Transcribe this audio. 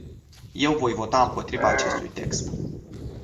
Eu voi vota împotriva acestui text.